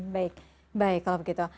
baik kalau begitu